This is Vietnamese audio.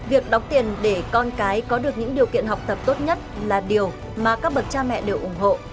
việc đóng tiền để con cái có được những điều kiện học tập tốt nhất là điều mà các bậc cha mẹ đều ủng hộ